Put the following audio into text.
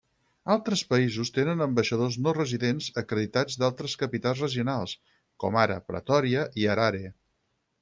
Altres països tenen ambaixadors no residents acreditats d'altres capitals regionals, com ara Pretòria i Harare.